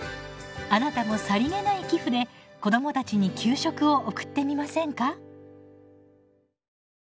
あなたもさりげない寄付で子どもたちに給食を送ってみませんか？